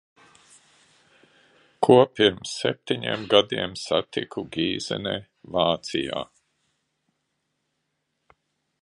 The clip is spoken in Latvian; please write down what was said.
Ko pirms septiņiem gadiem satiku Gīzenē, Vācijā.